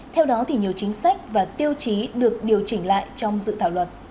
theo đó thì nhiều chính sách và tiêu chí được điều chỉnh lại trong dự thảo luật